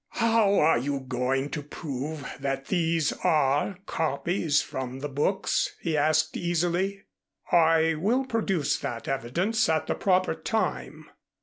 "How are you going to prove that these are copies from the books?" he asked easily. "I will produce that evidence at the proper time."